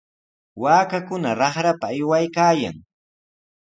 Waakakuna raqrapa aywaykaayan.